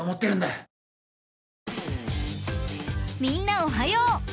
［みんなおはよう。